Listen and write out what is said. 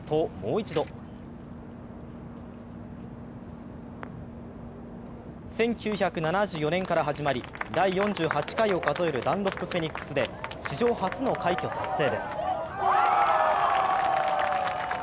１９７４年から始まり、第４８回を数えるダンロップフェニックスで史上初の快挙達成です。